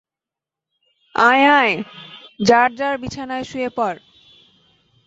আয়, আয়, যার যার বিছানায় শুয়ে পড়।